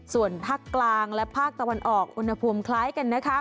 ส่วนภาคกลางและภาคตะวันออกอุณหภูมิคล้ายกันนะคะ